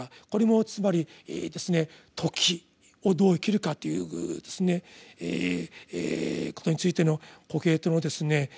これもつまり「時」をどう生きるかということについてのコヘレトのですね